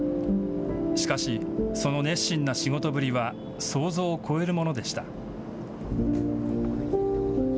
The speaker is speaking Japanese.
しかし、その熱心な仕事ぶりは想像を超えるものでした。